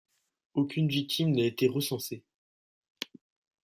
Aucune victime n'a été recensée.